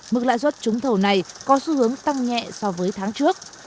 mức lãi suất trúng thầu này có xu hướng tăng nhẹ so với tháng trước